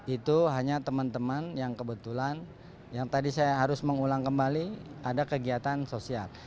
itu hanya teman teman yang kebetulan yang tadi saya harus mengulang kembali ada kegiatan sosial